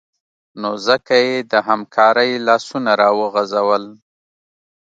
نو ځکه یې د همکارۍ لاسونه راوغځول